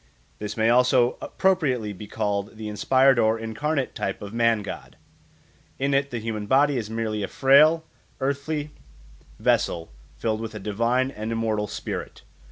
This may also appropriately be called the inspired or incarnate type of man god. In it the human body is merely a frail earthly vessel filled with a divine and immortal spirit.